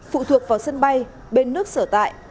phụ thuộc vào sân bay bên nước sở tại